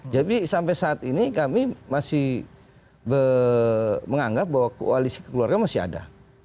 jadi sampai saat ini kami masih menganggap bahwa koalisi keluarga masih ada